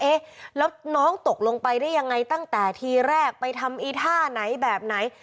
เอ๊ะแล้วน้องตกลงไปได้ยังไงตั้งแต่ทีแรกไปทำอีท่าไหนแบบไหน